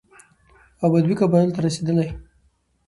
او بدوي قبايلو ته رسېدلى،